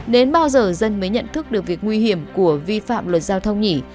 đến bao giờ dân mới nhận thức được việc nguy hiểm của vi phạm luật giao thông nhỉ